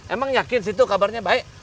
emang yakin situ kabarnya baik